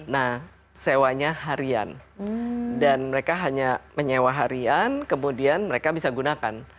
nah sewanya harian dan mereka hanya menyewa harian kemudian mereka bisa gunakan